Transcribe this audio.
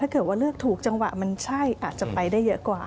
ถ้าเกิดว่าเลือกถูกจังหวะมันใช่อาจจะไปได้เยอะกว่า